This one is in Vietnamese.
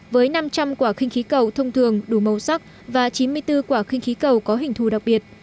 với năm trăm linh quả kinh khí cầu thông thường đủ màu sắc và chín mươi bốn quả kinh khí cầu có hình thù đặc biệt